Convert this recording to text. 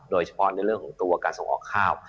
โดยเฉพาะในเรื่องของตัวการส่งออกข้าว